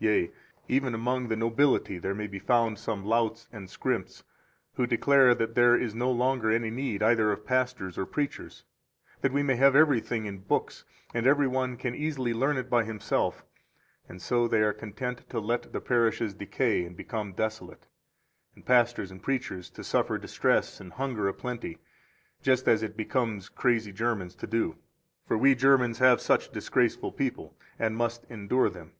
6 Yea, even among the nobility there may be found some louts and scrimps, who declare that there is no longer any need either of pastors or preachers; that we have everything in books, and every one can easily learn it by himself; and so they are content to let the parishes decay and become desolate, and pastors and preachers to suffer distress and hunger a plenty, just as it becomes crazy Germans to do. For we Germans have such disgraceful people, and must endure them.